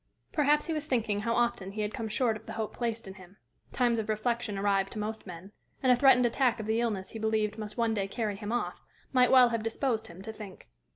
Perhaps he was thinking how often he had come short of the hope placed in him; times of reflection arrive to most men; and a threatened attack of the illness he believed must one day carry him off, might well have disposed him to think.